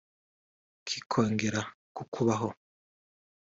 kikongera kubaho